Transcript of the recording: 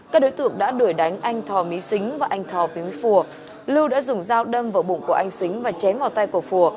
các đối tượng đã đuổi đánh anh thò mỹ xính và anh thò viếng phùa lưu đã dùng dao đâm vào bụng của anh xính và chém vào tay của phùa